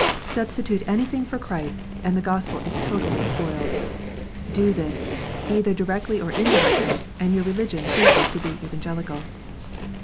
Substitute anything for Christ, and the Gospel is totally spoiled ! Do this, either directly or indirectly, and your religion ceases to be Evangelical.